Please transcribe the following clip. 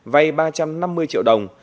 vay ba trăm năm mươi triệu đồng